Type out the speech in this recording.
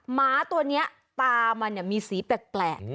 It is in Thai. หมาตัวนี้ตามันมีสีแปลก